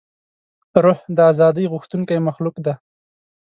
روح د ازادۍ غوښتونکی مخلوق دی.